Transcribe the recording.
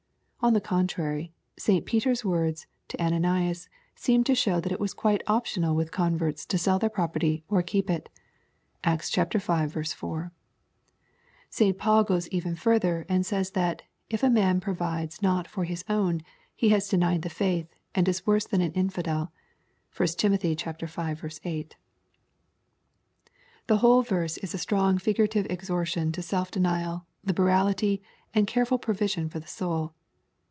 On the contrary, St. Peter's words to Ananias, seem to show that it was quite optional with converts to sell their property or keep it (Acts v. 4.) St. Paul goes even further, and says that " if a man provides not for hia own, he has denied the faith, and is worse than an infideL" (1 Tim. V. 8.) The whole verse is a strong figurative exhortation to self denial, liberality, and careful provision for the soul.